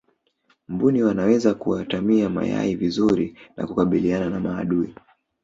mbuni wanaweza kuatamia mayai vizuri na kukabiliana na maadui